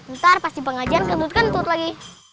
ntar pas di pengajian kentut kentut lagi